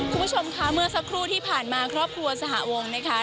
คุณผู้ชมค่ะเมื่อสักครู่ที่ผ่านมาครอบครัวสหวงนะคะ